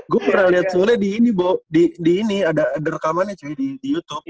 gue pernah lihat soalnya di ini ada rekamannya juga di youtube